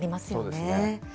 そうですね。